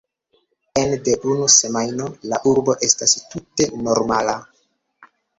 Ene de unu semajno la urbo estas tute normala